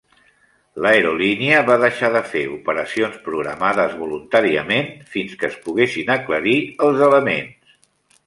L'aerolínia va deixar de fer operacions programades voluntàriament fins que es poguessin aclarir els elements.